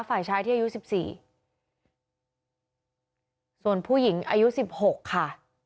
ฝ่ายชายที่อายุสิบสี่ส่วนผู้หญิงอายุสิบหกค่ะ